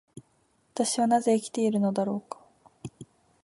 私はなぜ生きているのだろうか。